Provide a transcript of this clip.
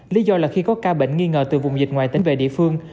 lý do là khi có ca bệnh nghi ngờ từ vùng dịch ngoài tỉnh về địa phương